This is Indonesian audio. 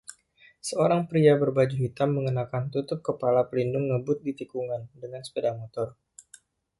Seorang pria berbaju hitam mengenakan tutup kepala pelindung ngebut di tikungan dengan sepeda motor.